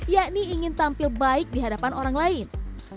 yakni ingin tampil baik di hadapan orang lain